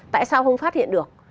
tại sao không phát hiện được